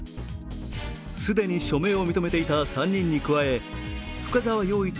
既に署名を認めていた３人に加え、深澤陽一